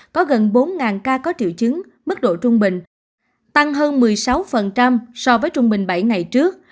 có gần bốn ca có triệu chứng mức độ trung bình tăng hơn một mươi sáu so với trung bình bảy ngày trước